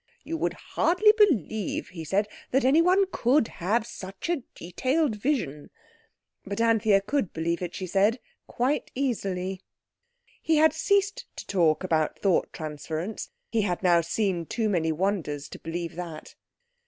"You would hardly believe," he said, "that anyone could have such a detailed vision." But Anthea could believe it, she said, quite easily. He had ceased to talk about thought transference. He had now seen too many wonders to believe that.